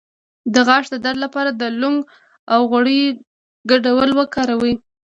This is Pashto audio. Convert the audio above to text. د غاښ د درد لپاره د لونګ او غوړیو ګډول وکاروئ